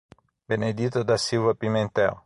Benedita da Silva Pimentel